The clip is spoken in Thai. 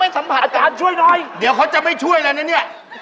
ตรงข้าวหน่อยตรงข้าวปากซอย